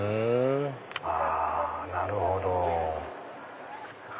あなるほど。